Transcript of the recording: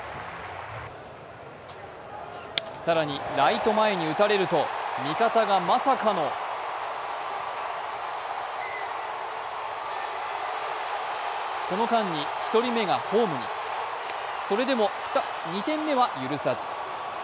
更にライト前に打たれると味方がまさかのこの間に１人目がホームにそれでも２点目は許さず。